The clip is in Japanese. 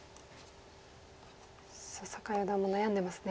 さあ酒井四段も悩んでますね。